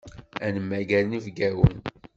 Ad nemmager inebgawen.